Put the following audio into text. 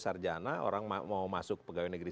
sarjana orang mau masuk pegawai negeri